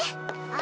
あ！